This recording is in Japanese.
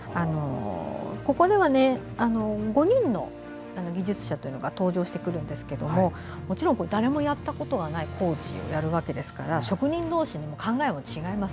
ここでは５人の技術者が登場してくるんですけどももちろん誰もやったことがない工事をやるわけですから職人同士、考えは違います。